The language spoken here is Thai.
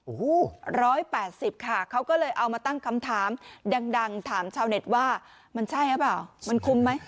โอ้โห๑๘๐ค่ะเขาก็เลยเอามาตั้งคำถามดังถามชาวเน็ตว่ามันใช่หรือเปล่ามันคุ้มไหม